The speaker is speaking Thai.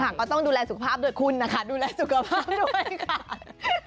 ก็ต้องดูแลสุขภาพด้วยคุณนะคะดูแลสุขภาพด้วยค่ะ